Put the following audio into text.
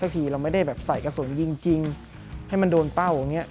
สักทีเราไม่ได้ใส่กระสุนยิงจริงให้มันโดนเป้า